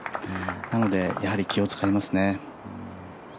なので、気を使いますね。